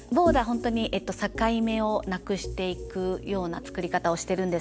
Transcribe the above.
本当に境目をなくしていくような作り方をしてるんですけど。